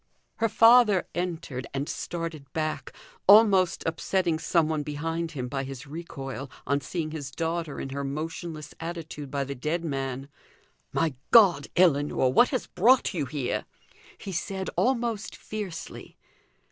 Her father entered, and started back, almost upsetting some one behind him by his recoil, on seeing his daughter in her motionless attitude by the dead man. "My God, Ellinor! what has brought you here?" he said, almost fiercely.